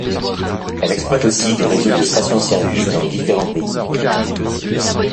Elle exploite aussi des réseaux de stations-service dans différents pays.